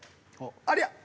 ありゃっ！